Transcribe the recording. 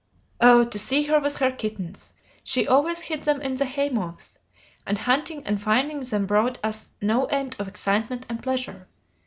"O to see her with her kittens! She always hid them in the haymows, and hunting and finding them brought us no end of excitement and pleasure.